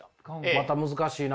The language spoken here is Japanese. また難しいな。